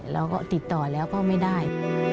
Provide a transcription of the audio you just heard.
เราก็ติดต่อแล้วก็ไม่ได้